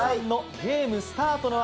ゲームスタート！